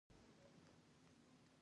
جانداد د هر چا لپاره ښه غواړي.